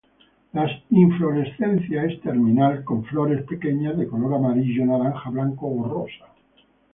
La inflorescencia es terminal con flores pequeñas de color amarillo, naranja, blanco o rosa.